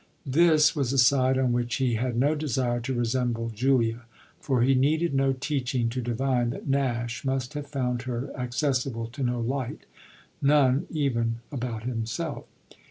This was a side on which he had no desire to resemble Julia, for he needed no teaching to divine that Nash must have found her accessible to no light none even about himself.